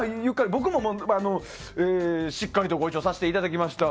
僕もしっかりとご一緒させていただきました。